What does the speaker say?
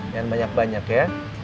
jangan banyak banyak ya